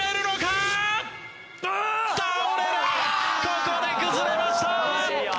ここで崩れました！